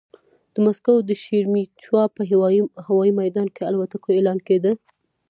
د مسکو د شېرېمېتوا په هوايي ميدان کې الوتکو اعلان کېده.